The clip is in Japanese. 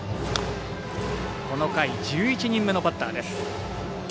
この回１１人目のバッターです。